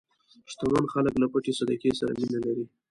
شتمن خلک له پټې صدقې سره مینه لري.